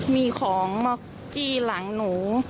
มีของมาจี้หลังหนู